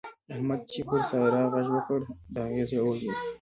احمد چې پر سارا غږ وکړ؛ د هغې زړه ولوېد.